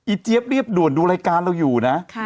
เจี๊ยบเรียบด่วนดูรายการเราอยู่นะ